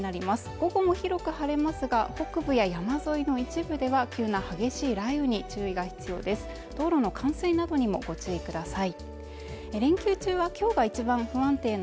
午後も広く晴れますが北部や山沿いの一部では急な激しい雷雨に注意が必要です道路の冠水などにもご注意ください